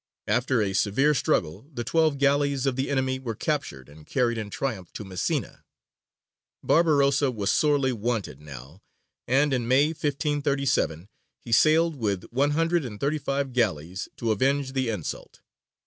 After a severe struggle the twelve galleys of the enemy were captured and carried in triumph to Messina. Barbarossa was sorely wanted now, and in May, 1537, he sailed with one hundred and thirty five galleys to avenge the insult.